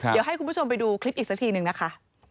เดี๋ยวให้คุณผู้ชมไปดูคลิปอีกสักทีนึงนะคะ